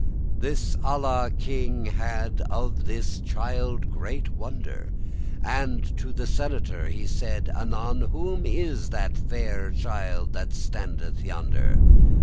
This Alla king had of this child great wonder, And to the senator he said anon, "Whose is that faire child that standeth yonder?"